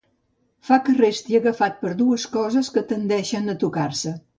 Fa que resti agafat per dues coses que tendeixen a tocar-se.